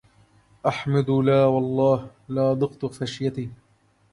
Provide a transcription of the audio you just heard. أأحمد لا والله لا ذقت فيشتي